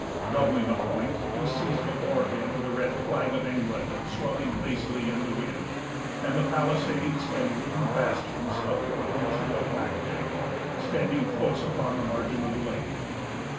Doubling a point, he sees before him the red flag of England swelling lazily in the wind, and the palisades and wooden bastions of Fort Michillimackinac standing close upon the margin of the lake.